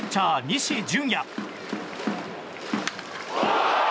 西純矢。